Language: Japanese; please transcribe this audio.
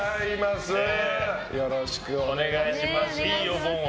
よろしくお願いします。